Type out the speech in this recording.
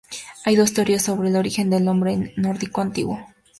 Hay dos teorías sobre el origen del nombre, en nórdico antiguo.